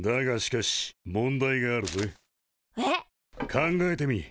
考えてみ。